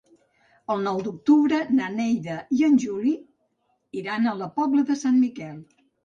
El nou d'octubre na Neida i en Juli iran a la Pobla de Sant Miquel.